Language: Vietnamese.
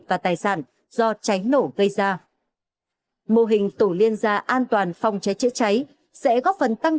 và tài sản do cháy nổ gây ra mô hình tổ liên gia an toàn phòng cháy chữa cháy sẽ góp phần tăng